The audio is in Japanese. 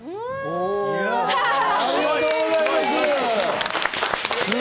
ありがとうございます！